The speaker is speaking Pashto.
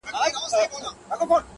نن شپه د ټول كور چوكيداره يمه_